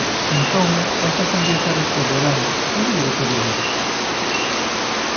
Entón conta con viaxar este verán, onde lle gustaría ir?